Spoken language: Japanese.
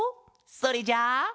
それじゃあ。